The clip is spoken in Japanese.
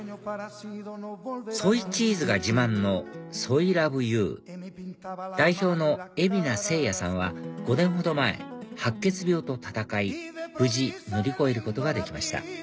ソイチーズが自慢のＳＯＹＬＯＶＥＵ代表の蝦名聖也さんは５年ほど前白血病と闘い無事乗り越えることができました